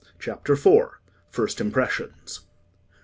CHAPTER IV. First Impressions.